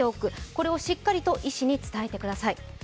これをしっかりと医師に伝えてください。